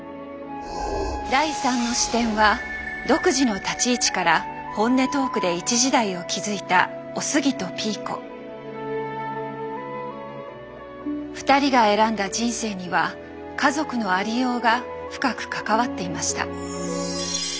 第３の視点は独自の立ち位置から本音トークで一時代を築いた二人が選んだ人生には家族のありようが深く関わっていました。